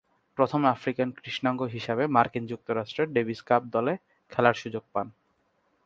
প্রথম আফ্রিকান কৃষ্ণাঙ্গ আমেরিকান হিসেবে মার্কিন যুক্তরাষ্ট্রের ডেভিস কাপ দলে খেলার সুযোগ পান।